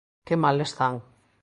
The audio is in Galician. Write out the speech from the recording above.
¡Que mal están!